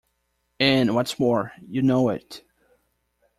And, what's more, you know it.